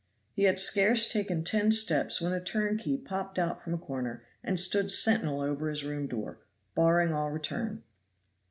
He had scarce taken ten steps when a turnkey popped out from a corner and stood sentinel over his room door, barring all return.